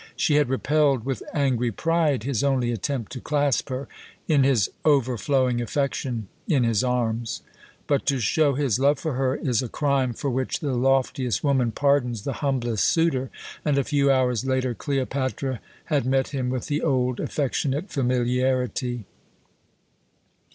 She had repelled with angry pride his only attempt to clasp her, in his overflowing affection, in his arms; but to show his love for her is a crime for which the loftiest woman pardons the humblest suitor, and a few hours later Cleopatra had met him with the old affectionate familiarity.